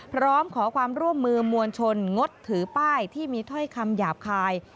พร้อมขอความร่วมมือมวลชนงดถือป้ายที่มีถ้อยคำหยาบคาย